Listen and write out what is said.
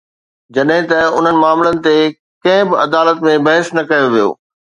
جڏهن ته انهن معاملن تي ڪنهن به عدالت ۾ بحث نه ڪيو ويو.